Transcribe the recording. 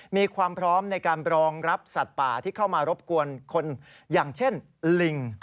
มีความพร้อมในการรองรับสัตว์ป่าที่เข้ามารบกวนคนอย่างเช่นลิง